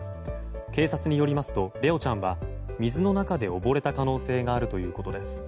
警察によりますと怜旺ちゃんは水の中でおぼれた可能性があるということです。